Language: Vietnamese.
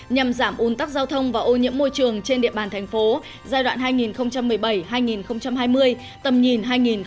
nhằm giảm un tắc giao thông và ô nhiễm môi trường trên địa bàn thành phố giai đoạn hai nghìn một mươi bảy hai nghìn hai mươi tầm nhìn hai nghìn hai mươi năm